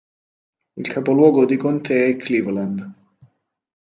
Il capoluogo di contea è Cleveland.